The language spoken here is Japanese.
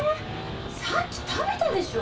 さっき食べたでしょ！